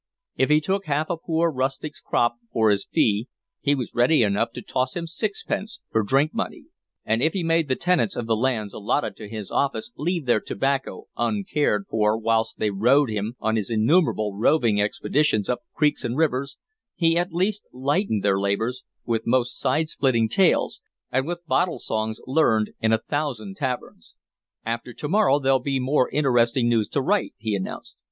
If he took half a poor rustic's crop for his fee, he was ready enough to toss him sixpence for drink money; and if he made the tenants of the lands allotted to his office leave their tobacco uncared for whilst they rowed him on his innumerable roving expeditions up creeks and rivers, he at least lightened their labors with most side splitting tales, and with bottle songs learned in a thousand taverns. "After to morrow there'll be more interesting news to write," he announced.